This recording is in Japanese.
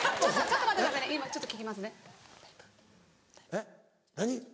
えっ何？